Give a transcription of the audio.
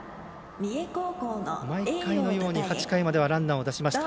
毎回のように８回まではランナーを出しました。